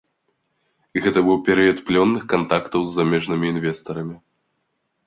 Гэта быў перыяд плённых кантактаў з замежнымі інвестарамі.